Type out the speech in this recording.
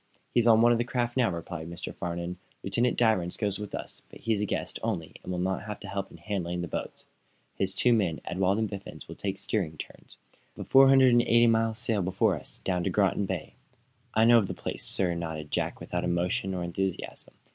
"He's on one of the craft now," replied Mr. Farnum. "Lieutenant Danvers goes with us, but he's a guest, only, and will not have to help in handling the boats. His two men, Ewald and Biffens, will take steering turns. We've a four hundred and eighty mile sail before us, down to Groton Bay." "I know of the place, sir," nodded Jack, without emotion or enthusiasm.